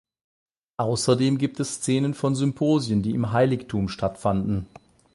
Außerdem gibt es Szenen von Symposien, die im Heiligtum stattfanden.